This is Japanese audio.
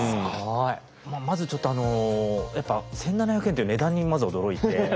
まずちょっとあのやっぱ１，７００円という値段に驚いて。